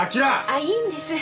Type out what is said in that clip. ああいいんです。